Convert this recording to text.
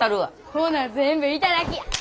ほな全部頂きや！